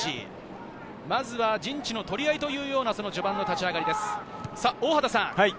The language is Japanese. まずは陣地の取り合いという序盤の立ち上がりです。